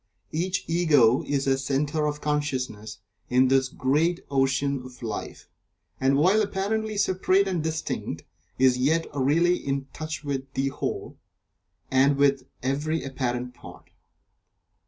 Each Ego is a Centre of Consciousness in this great ocean of Life, and while apparently separate and distinct, is yet really in touch with the Whole, and with every apparent part.